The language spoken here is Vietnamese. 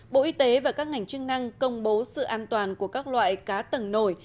bộ y tế và các ngành chức năng công bố sự an toàn của các loại cá tầng nổi